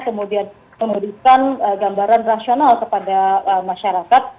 kemudian memberikan gambaran rasional kepada masyarakat